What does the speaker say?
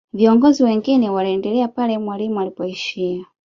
viongozi wengine waliendelea pale mwalimu alipoishia